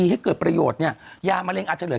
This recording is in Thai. ให้เกิดประโยชน์เนี่ยยามะเร็งอาจจะเหลือ